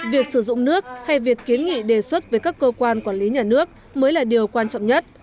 việc sử dụng nước hay việc kiến nghị đề xuất với các cơ quan quản lý nhà nước mới là điều quan trọng nhất